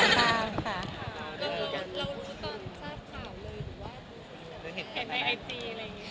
เห็นในไอจี